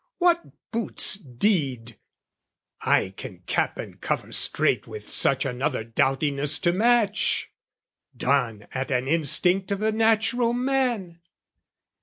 "What boots deed, I can cap and cover straight "With such another doughtiness to match, "Done at an instinct of the natural man?"